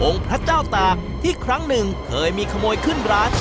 พระเจ้าตากที่ครั้งหนึ่งเคยมีขโมยขึ้นร้าน